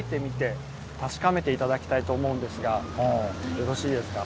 よろしいですか？